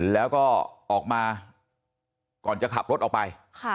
แล้วก็ออกมาก่อนจะขับรถออกไป